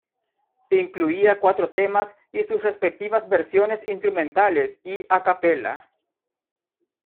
Incluía cuatro temas y sus respectivas versiones instrumentales y a capella.